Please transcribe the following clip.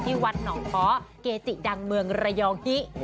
วัดหนองเพาะเกจิดังเมืองระยองฮิ